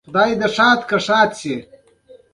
تنور د دودیزو خوړو خزانه ده